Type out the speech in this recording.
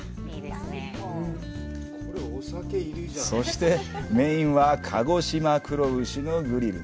そして、メインは鹿児島黒牛のグリル。